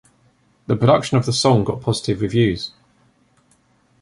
The production of the song got positive reviews.